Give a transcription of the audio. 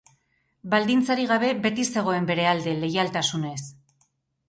Baldintzarik gabe beti zegoen bere alde, leialtasunez.